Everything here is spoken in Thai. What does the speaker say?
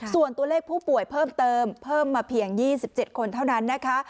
ส่วนตัวเลขผู้ป่วยเพิ่มเติมเพิ่มมาเพียง๒๗คนเท่านั้นนะคะ